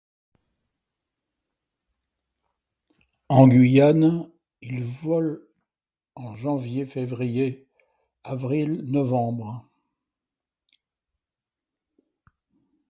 En Guyane ils volent en janvier-février, avril, novembre.